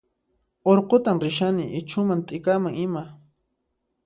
Urqutan rishani ichhuman t'ikaman ima